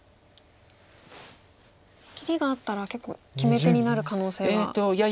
切りがあったら結構決め手になる可能性は？